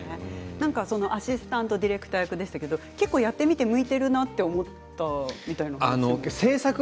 アシスタントディレクター役でしたけれども結構向いているなと思ったみたいですけども。